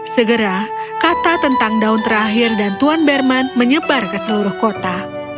segera kata tentang daun terakhir dan tuan berman menyebar ke seluruh kota